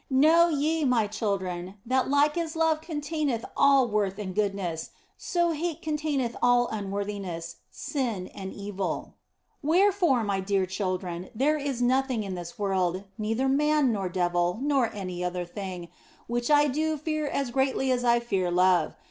Know ye, my children, that like as love containeth all worth and goodness, so hate containeth all unworthiness, sin, and evil. Wherefore, my dear children, there is nothing in this world, neither man nor devil nor any other thing, which I do fear as greatly as I fear love.